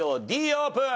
Ｄオープン。